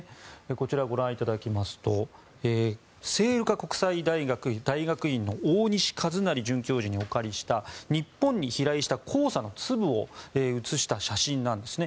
こちらご覧いただきますと聖路加国際大学大学院の大西一成准教授にお借りした日本に飛来した黄砂の粒を写した写真なんですね。